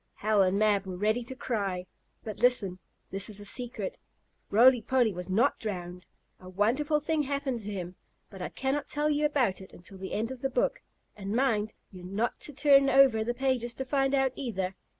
Hal and Mab were ready to cry. But listen. This is a secret. Roly Poly was not drowned! A wonderful thing happened to him, but I can not tell you about it until the end of the book. And mind, you're not to turn over the pages to find out, either.